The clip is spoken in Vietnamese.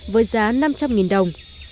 với giá năm trăm linh đồng